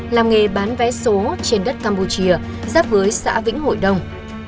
làm nghề bán vé số trên đất campuchia giáp với xã vĩnh hội đông